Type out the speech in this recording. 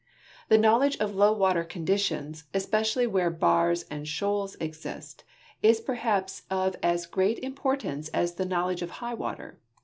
The knowl edge of low water conditions, especially where bars and shoals exist, is perha{)s of as great importance as the knowledge of high water.